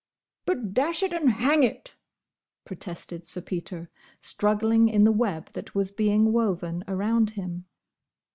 "But—dash it and hang it—!" protested Sir Peter, struggling in the web that was being woven around him.